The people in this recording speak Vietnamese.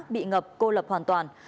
bị ngập cô lập hoàn toàn